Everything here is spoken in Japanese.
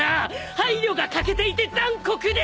配慮が欠けていて残酷です！